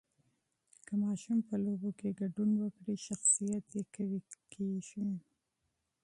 که ماشوم په لوبو کې ګډون وکړي، شخصیت یې قوي کېږي.